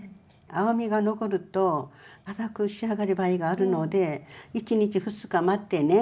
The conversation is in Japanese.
青みが残ると堅く仕上がる場合があるので１日２日待ってね